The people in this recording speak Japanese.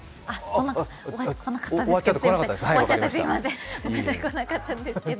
来なかったですけど。